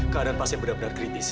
keadaan pasien benar benar kritis